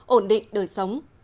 ổn định đời sống